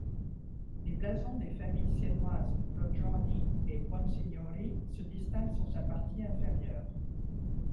Les blasons des familles siennoises Brogioni et Buonsignori se distinguent sur sa partie inférieure.